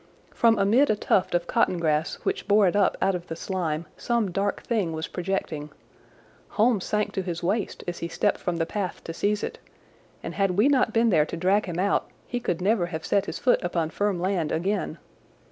From amid a tuft of cotton grass which bore it up out of the slime some dark thing was projecting. Holmes sank to his waist as he stepped from the path to seize it, and had we not been there to drag him out he could never have set his foot upon firm land again.